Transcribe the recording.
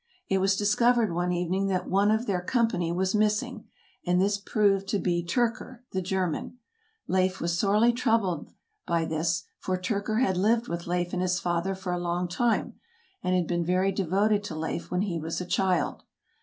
It was discovered one evening that one of their company was missing; and this proved to be Tyrker, the German. Leif was sorely troubled by this, for Tyrker had lived with Leif and his father for a long time, and had been very de voted to Leif when he was a child.